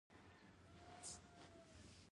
یقیناً صحي خواړه د ټول بدن په ښکلا اغیزه لري